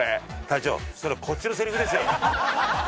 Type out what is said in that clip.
隊長それこっちのセリフですよ。